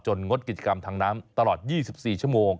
งดกิจกรรมทางน้ำตลอด๒๔ชั่วโมง